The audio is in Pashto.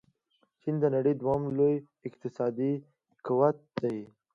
چين د نړۍ دوهم لوی اقتصادي قوت دې.